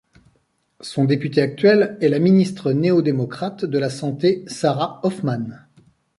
Son député actuel est la ministre néo-démocrate de la santé Sarah Hoffman.